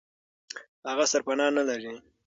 هغه سرپنا نه لري.